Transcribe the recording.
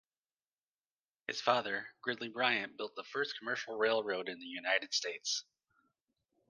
His father, Gridley Bryant built the first commercial railroad in the United States.